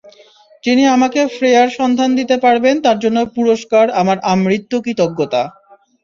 যিনি আমাকে ফ্রেয়ার সন্ধান দিতে পারবেন তাঁর জন্য পুরস্কার আমার আমৃত্যু কৃতজ্ঞতা।